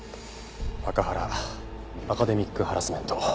アカハラアカデミックハラスメント。